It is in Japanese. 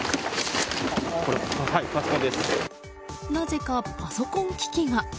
なぜかパソコン機器が。